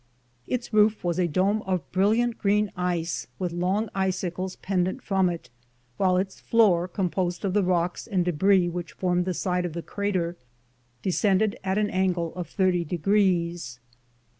Its roof was a dome of brilliant green ice with long icicles pendent from it, while its floor, composed of the rocks and debris which formed the side of the crater, descended at an angle of thirty degrees.